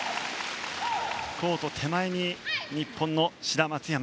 コート手前に日本の志田、松山。